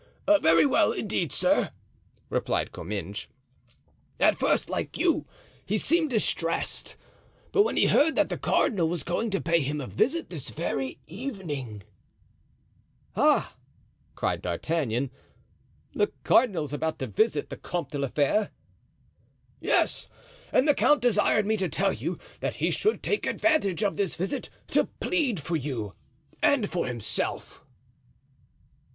"Very well, indeed, sir," replied Comminges; "at first, like you, he seemed distressed; but when he heard that the cardinal was going to pay him a visit this very evening——" "Ah!" cried D'Artagnan, "the cardinal is about to visit the Comte de la Fere?" "Yes; and the count desired me to tell you that he should take advantage of this visit to plead for you and for himself."